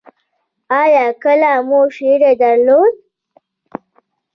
ایا کله مو شری درلوده؟